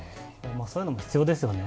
そういうのも必要ですよね。